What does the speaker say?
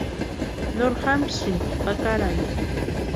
Nori jamsïnka pakarani.